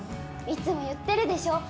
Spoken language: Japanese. いつも言ってるでしょ